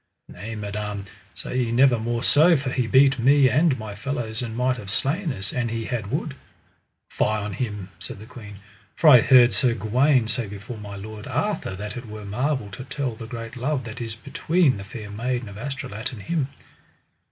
Nay madam, say ye never more so, for he beat me and my fellows, and might have slain us an he had would. Fie on him, said the queen, for I heard Sir Gawaine say before my lord Arthur that it were marvel to tell the great love that is between the Fair Maiden of Astolat and him.